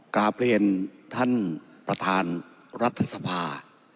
กราบเรียนท่านประธานรัฐสภา